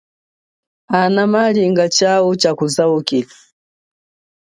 Ana malinga chau chakuzaukila.